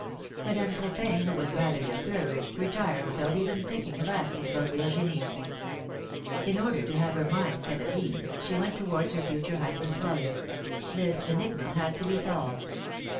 Madame Cr^pin, who was rather discouraged, retired without even thinking of asking about Virginie. In order to have her mind set at ease, she went towards her future husband^s dwelling; this enigma had to be solved.